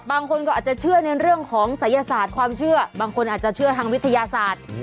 บางคนก็อาจจะเชื่อในเรื่องของศัยศาสตร์ความเชื่อบางคนอาจจะเชื่อทางวิทยาศาสตร์